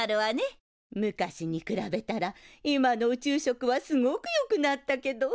昔に比べたら今の宇宙食はすごくよくなったけど。